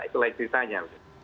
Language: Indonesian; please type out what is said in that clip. itu lain ceritanya